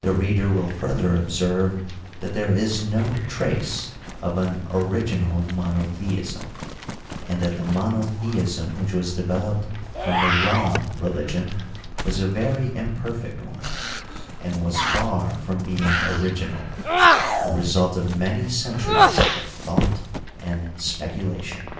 The reader will further observe that there is no trace of an '* original monotheism,'* and that the monotheism which was developed from the Rd religion was a very imperfect one, and was, far from being " original," the result of many centuries of thought and speculation.